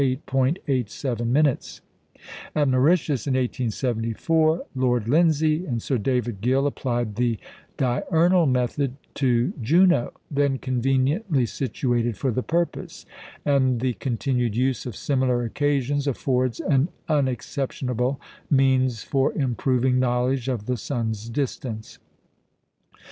At Mauritius in 1874, Lord Lindsay and Sir David Gill applied the "diurnal method" to Juno, then conveniently situated for the purpose; and the continued use of similar occasions affords an unexceptionable means for improving knowledge of the sun's distance.